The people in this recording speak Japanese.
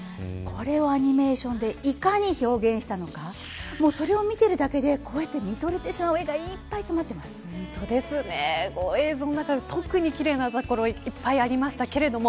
これをアニメーションでいかに表現したのかそれを見ているだけで見とれてしまう絵が映像の中でも特に奇麗なところいっぱいありましたけれども。